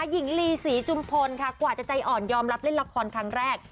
หญิงลีศรีจุมพลค่ะกว่าจะใจอ่อนยอมรับเล่นละครครั้งแรก